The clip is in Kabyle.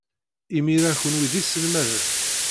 Imir-a, kenwi d iselmaden.